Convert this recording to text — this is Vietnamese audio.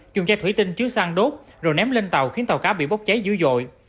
dùng chai thủy tinh chứa xăng đốt rồi ném lên tàu khiến tàu cá bị bốc cháy dữ dội